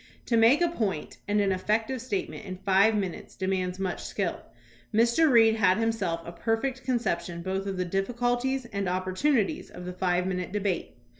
To make a point and an effective state ment in five minutes demands much skill. Mr. Reed had himself a perfect conception both of the difficulties and opportunities of the five minute debate.